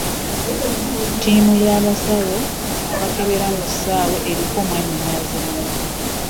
Ttiimu y'abasawo abakebera ku kisaawe eriko mwannyinaze.